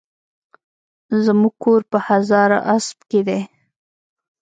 زموکور په هزاراسپ کی دي